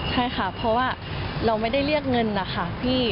ใช่ค่ะเพราะว่าเราไม่ได้เรียกเงินนะคะพี่